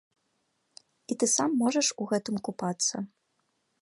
І ты сам можаш у гэтым купацца.